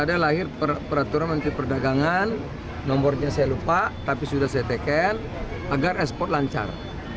ada lahir peraturan menteri perdagangan nomornya saya lupa tapi sudah saya teken agar ekspor lancar